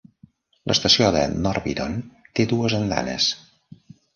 L'estació de Norbiton té dues andanes.